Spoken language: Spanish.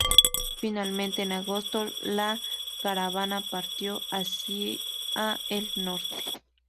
Finalmente, en agosto la caravana partió hacia el norte.